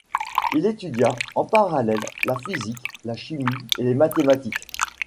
Il étudia, en parallèle, la physique, la chimie et les mathématiques.